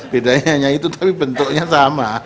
bedanya hanya itu tapi bentuknya sama